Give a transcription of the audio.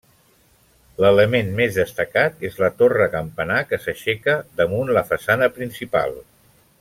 L'element més destacat és la torre campanar que s'aixeca damunt la façana principal.